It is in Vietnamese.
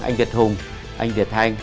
anh việt hùng anh việt thanh